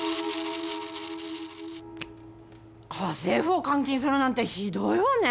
家政婦を監禁するなんてひどいわね。